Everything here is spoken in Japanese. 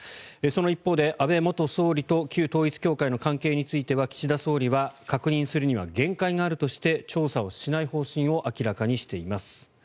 その一方で安倍元総理と旧統一教会の関係については岸田総理は確認するには限界があるとして調査をしない方針を明らかにしています。